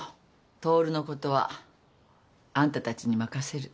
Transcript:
トオルのことはあんたたちに任せる。